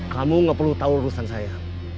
kamu gak perlu tahu urusan saya